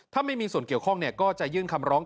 ถ้าไม่มีส่วนเกี่ยวข้องก็จะยื่นคำร้อง